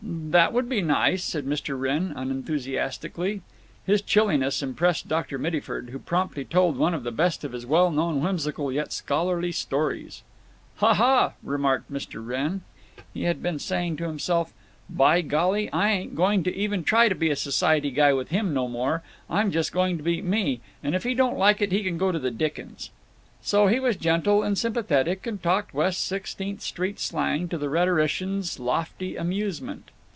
"That would be nice," said Mr. Wrenn, unenthusiastically. His chilliness impressed Dr. Mittyford, who promptly told one of the best of his well known whimsical yet scholarly stories. "Ha! ha!" remarked Mr. Wrenn. He had been saying to himself: "By golly! I ain't going to even try to be a society guy with him no more. I'm just going to be me, and if he don't like it he can go to the dickens." So he was gentle and sympathetic and talked West Sixteenth Street slang, to the rhetorician's lofty amusement.